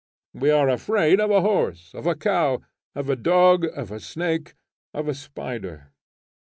We are afraid of a horse, of a cow, of a dog, of a snake, of a spider.